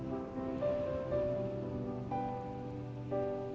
saya sudah berhenti mencari kamu